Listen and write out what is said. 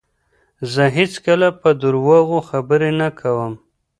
زه هیڅکله په درواغو خبرې نه کوم.